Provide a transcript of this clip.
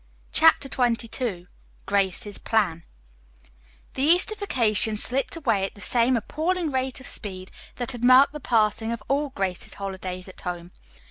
CHAPTER XXII GRACE'S PLAN The Easter vacation slipped away at the same appalling rate of speed that had marked the passing of all Grace's holidays at home.